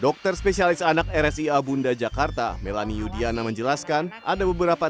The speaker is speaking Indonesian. dokter spesialis anak rsi abunda jakarta melanie yudiana menjelaskan ada beberapa